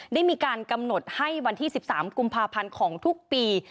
ได้มีการกำหนดให้วันที่๑๓กุมภาพันธ์ของทุกปี